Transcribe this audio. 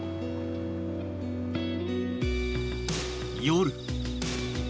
夜。